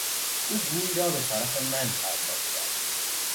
او گوی را به طرف من پرتاب کرد.